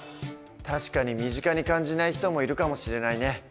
確かに身近に感じない人もいるかもしれないね。